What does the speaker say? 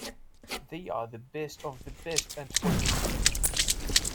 They are the best of the best at what they do.